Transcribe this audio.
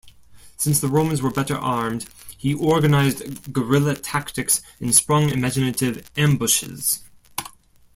Since the Romans were better armed, he organized guerrilla tactics and sprung imaginative ambushes.